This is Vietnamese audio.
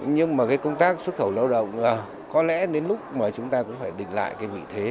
nhưng mà công tác xuất khẩu lao động có lẽ đến lúc chúng ta cũng phải định lại vị thế